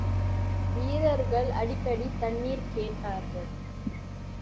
வீரர்கள் அடிக்கடி, தண்ணிர் கேட்டார்கள்.